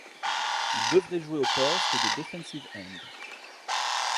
Il devrait jouer au poste de Defensive End.